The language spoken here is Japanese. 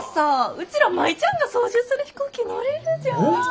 うちら舞ちゃんが操縦する飛行機乗れるじゃん！